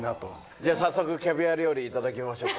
犬磴早速キャビア料理いただきましょうか。